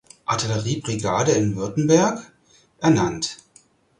Artilleriebrigade in Württemberg ernannt.